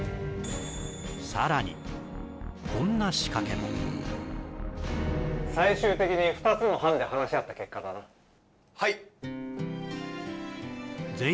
さらにこんな仕掛けも最終的に２つの班で話し合った結果だな？